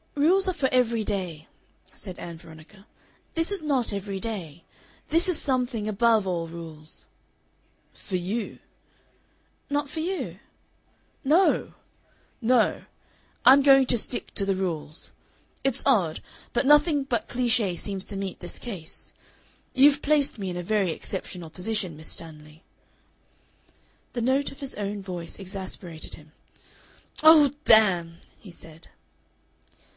"Rules are for every day," said Ann Veronica. "This is not every day. This is something above all rules." "For you." "Not for you?" "No. No; I'm going to stick to the rules.... It's odd, but nothing but cliche seems to meet this case. You've placed me in a very exceptional position, Miss Stanley." The note of his own voice exasperated him. "Oh, damn!" he said.